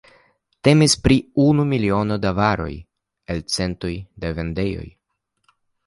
Temis pri unu miliono da varoj el centoj da vendejoj.